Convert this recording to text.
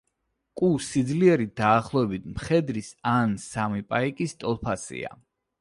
კუ სიძლიერით დაახლოებით მხედრის ან სამი პაიკის ტოლფასია.